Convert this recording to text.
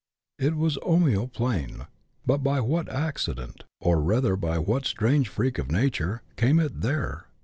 It was Omio plain. But by what accident, or rather by what strange freak of nature, came it there